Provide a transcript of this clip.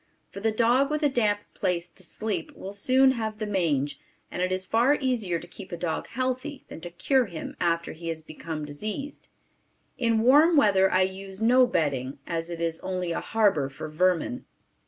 For the dog with a damp place to sleep, will soon have the mange, and it is far easier to keep a dog healthy than to cure him after he has become diseased. In warm weather I use no bedding as it is only a harbor for vermin.